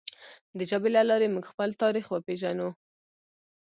د ژبې له لارې موږ خپل تاریخ وپیژنو.